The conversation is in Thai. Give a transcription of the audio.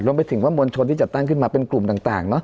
ไปถึงว่ามวลชนที่จัดตั้งขึ้นมาเป็นกลุ่มต่างเนอ